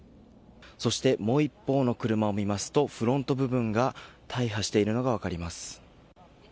そしてもう一方の車を見ますとフロント部分が大破しているのが分かります。